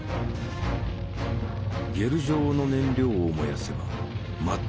「ゲル状の燃料を燃やせば全く新しい爆弾